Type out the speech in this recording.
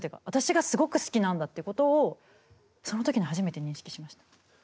私がすごく好きなんだってことをその時に初めて認識しました。